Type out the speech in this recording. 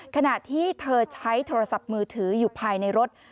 ขณะที่เธอใช้โทรศัพท์มือถืออยู่ภายในรถ